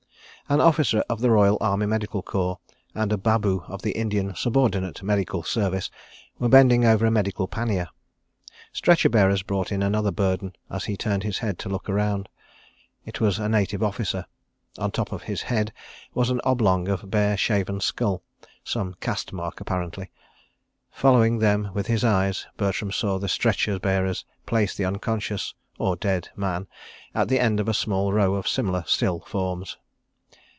An officer of the Royal Army Medical Corps and a babu of the Indian Subordinate Medical Service were bending over a medical pannier. Stretcher bearers brought in another burden as he turned his head to look round. It was a Native Officer. On top of his head was an oblong of bare shaven skull—some caste mark apparently. Following them with his eyes Bertram saw the stretcher bearers place the unconscious (or dead) man at the end of a small row of similar still forms.